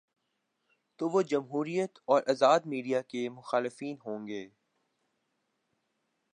تو وہ جمہوریت اور آزاد میڈیا کے مخالفین ہو ں گے۔